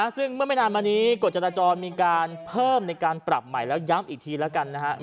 ซึ่งเมื่อไม่นานมานี้กฎจราจรมีการเพิ่มในการปรับใหม่แล้วย้ำอีกทีแล้วกันนะครับ